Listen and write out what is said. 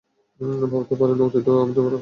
ভাবতে পারোনি অতীতেও আমি তোমার রক্ষা করবো?